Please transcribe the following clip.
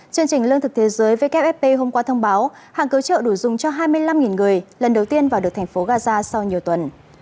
chương trình lương thực thế giới wfp hôm qua thông báo hàng cứu trợ đủ dùng cho hai mươi năm người lần đầu tiên vào được thành phố gaza sau nhiều tuần